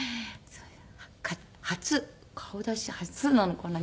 初顔出し初なのかな？